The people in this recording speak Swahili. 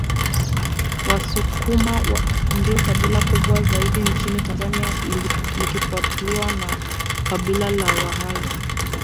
Wasukuma ndio kabila kubwa zaidi nchini Tanzania likifuatiwa na Kabila la Wahaya